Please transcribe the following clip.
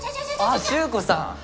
あっ修子さん！